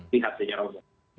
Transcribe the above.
lihat senyara udara